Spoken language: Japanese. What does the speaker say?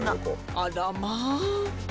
「あらまあ」